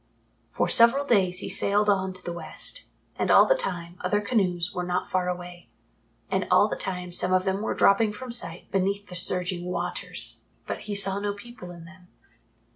For several days he sailed on to the West, and all the time other canoes were not far away, and all the time some of them were dropping from sight beneath the surging waters, but he saw no people in them.